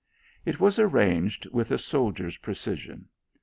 It was arranged with a sol dier s precision.